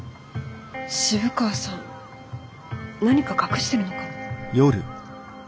渋川さん何か隠してるのかも。